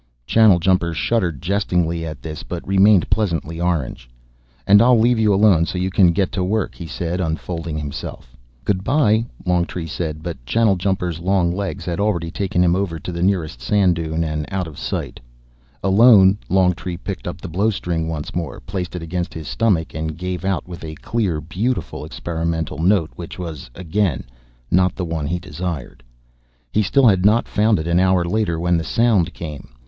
Channeljumper shuddered jestingly at this but remained pleasantly orange. "And I'll leave you alone so you can get to work," he said, unfolding himself. "Goodbye," Longtree said, but Channeljumper's long legs had already taken him over to the nearest sand dune and out of sight. Alone, Longtree picked up the blowstring once more, placed it against his stomach, and gave out with a clear, beautiful, experimental note which was again not the one he desired. He still had not found it an hour later, when the Sound came.